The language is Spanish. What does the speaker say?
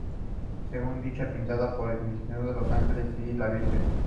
Según decía, pintaba por indicación de los ángeles y la Virgen.